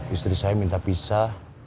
istri saya minta pisah